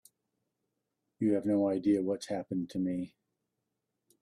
You have no idea what's happened to me.